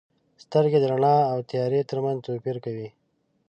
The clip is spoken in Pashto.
• سترګې د رڼا او تیاره ترمنځ توپیر کوي.